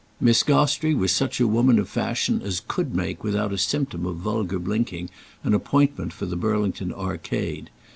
Miss Gostrey was such a woman of fashion as could make without a symptom of vulgar blinking an appointment for the Burlington Arcade.